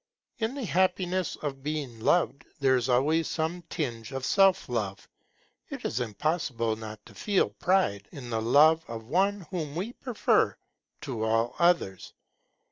In the happiness of being loved, there is always some tinge of self love; it is impossible not to feel pride in the love of one whom we prefer to all others.